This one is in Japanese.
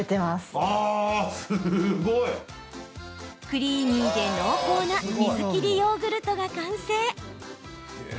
クリーミーで濃厚な水切りヨーグルトが完成。